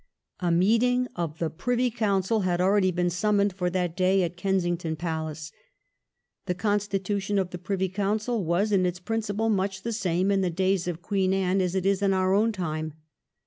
A meeting of the Privy Council had already been summoned for that day at Kensington Palace. The constitution of the Privy Council was in its principle much the same in the days of Queen Anne as it is in our own time.